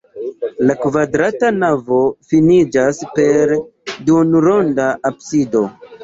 La kvadrata navo finiĝas per duonronda absido.